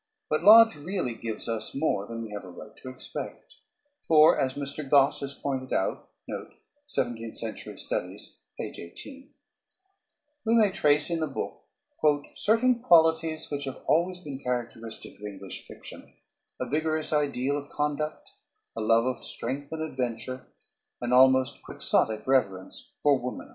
But Lodge really gives us more than we have a right to expect, for, as Mr. Gosse has pointed out, we may trace in the book "certain qualities which have always been characteristic of English fiction, a vigorous ideal of conduct, a love of strength and adventure, an almost quixotic reverence for womanhood."